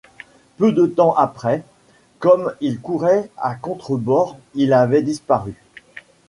Peu de temps après, comme il courait à contre-bord, il avait disparu.